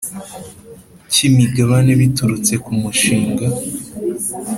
cy imigabane biturutse ku mushinga